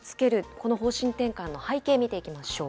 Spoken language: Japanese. この方針転換の背景、見ていきましょう。